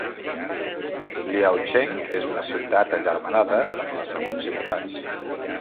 Liaocheng és una ciutat agermanada amb les següents ciutats.